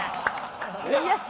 よし！